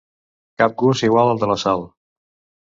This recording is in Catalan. Cap gust igual al de la sal.